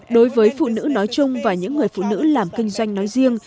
đối với phụ nữ nói chung và những người phụ nữ làm kinh doanh nói riêng